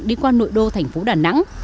đi qua nội đô thành phố đà nẵng